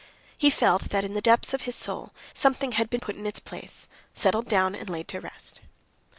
He felt that in the depth of his soul something had been put in its place, settled down, and laid to rest.